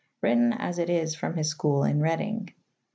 . written as it is from his school in Reading.'